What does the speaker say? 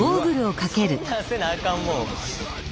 そんなせなあかんもん？